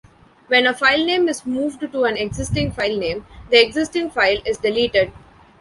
When a filename is moved to an existing filename, the existing file is deleted.